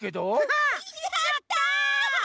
わやった！